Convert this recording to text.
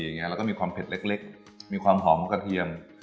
อย่างเงี้ยแล้วก็มีความเผ็ดเล็กมีความหอมกระเทียม